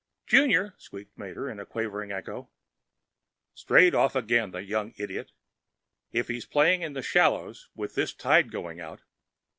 "Junior!" squeaked Mater, a quavering echo. "Strayed off again the young idiot! If he's playing in the shallows, with this tide going out...."